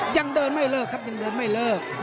ยังเดินไม่เลิกครับยังเดินไม่เลิก